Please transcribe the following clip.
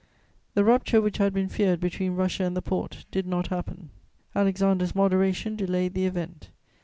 The rupture which had been feared between Russia and the Porte did not happen: Alexander's moderation delayed the event.